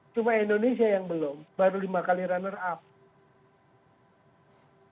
cuma indonesia yang belum baru lima kali runner up